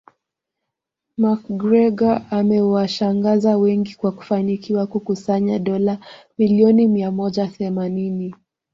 McGregor amewashangaza wengi kwa kufanikiwa kukusanya dola milioni mia moja themanini